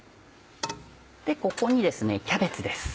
ここにキャベツです